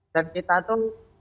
dan kita itu